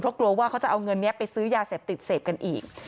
เพราะกลัวว่าเขาจะเอาเงินนี้ไปซื้อยาเสพติดเสพกันอีก